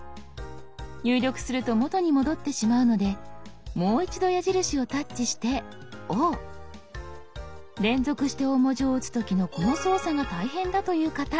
入力すると元に戻ってしまうのでもう一度矢印をタッチして「Ｏ」。連続して大文字を打つ時のこの操作が大変だという方